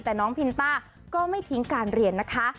แต่น้องพินต้าก็ไม่ทิ้งการเรียนนะคะ